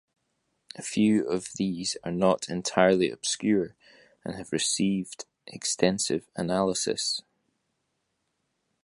A few of these are not entirely obscure, and have received extensive analysis.